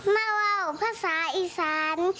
มาว่าวภาษาอีสาน